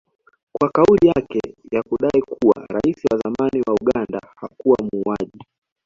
kwa kauli yake ya kudai kuwa rais wa zamani wa Uganda hakuwa muuaji